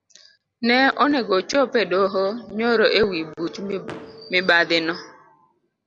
Ne onego ochop edoho nyoro ewi buch mibadhino.